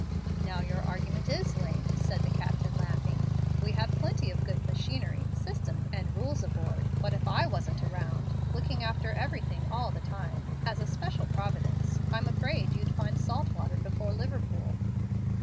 "Now your argument is lame," said the captain, laughing. "We have plenty of good machinery, system, and rules aboard, but if I wasn't around, looking after everything all the time, as a special Providence, I'm afraid you'd find salt water before Liverpool."